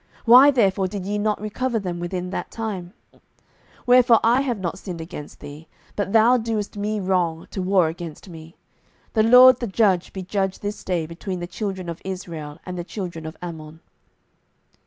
why therefore did ye not recover them within that time? 07:011:027 Wherefore I have not sinned against thee, but thou doest me wrong to war against me: the LORD the Judge be judge this day between the children of Israel and the children of Ammon.